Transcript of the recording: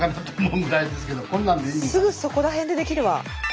すぐそこら辺でできるわ。